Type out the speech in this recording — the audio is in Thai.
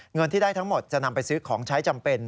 เงินที่ได้ทั้งหมดจะนำไปซื้อของใช้จำเป็น